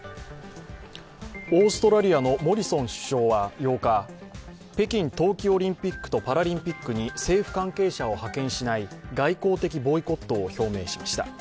オーストラリアのモリソン首相は８日北京冬季オリンピックとパラリンピックに政府関係者を派遣しない外交的ボイコットを表明しました。